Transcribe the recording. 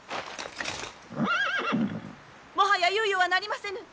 もはや猶予はなりませぬ。